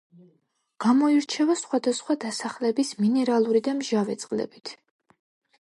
გამოირჩევა სხვადასხვა დასახელების მინერალური და მჟავე წყლებით.